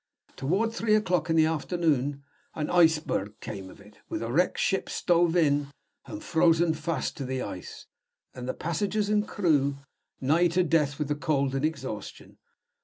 Toward three o'clock in the afternoon an iceberg came of it; with a wrecked ship stove in, and frozen fast to the ice; and the passengers and crew nigh to death with cold and exhaustion.